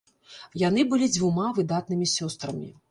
Яны былі дзвюма выдатнымі сёстрамі.